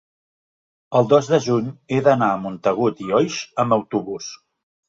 el dos de juny he d'anar a Montagut i Oix amb autobús.